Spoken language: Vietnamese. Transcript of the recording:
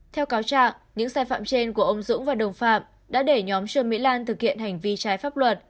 theo cáo trạng những sai phạm trên của ông dũng và đồng phạm đã để nhóm trương mỹ lan thực hiện hành vi trái pháp luật